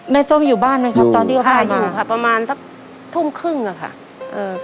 แม่ส้มอยู่บ้านไหมครับตอนที่เขาพามาอยู่ค่ะอยู่ประมาณทุ่มครึ่งอะค่ะ